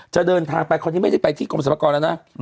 เดินทางไปคราวนี้ไม่ได้ไปที่กรมสรรพากรแล้วนะ